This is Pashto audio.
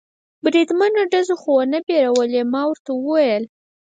بریدمنه، ډزو خو و نه بیرولې؟ ما ورته وویل.